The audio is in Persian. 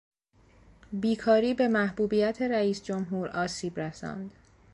بیکاری به محبوبیت رییسجمهور آسیب رساند.